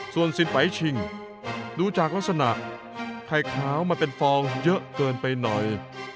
ส่วนสินไปชิงดูจากลักษณะไข่ขาวมาเป็นฟองเยอะเกินไปหน่อย